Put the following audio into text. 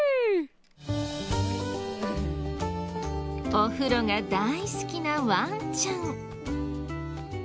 お風呂が大好きなワンちゃん。